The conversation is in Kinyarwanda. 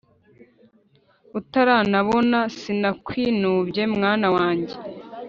utaranabona sinakwinubye mwana wanjye